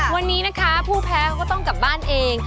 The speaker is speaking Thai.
วันนี้นะคะผู้แพ้เขาก็ต้องกลับบ้านเอง